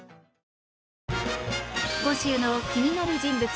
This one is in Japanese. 今週の気になる人物